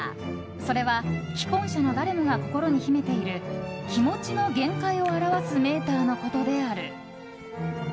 それは既婚者の誰もが心に秘めている気持ちの限界を表すメーターのことである。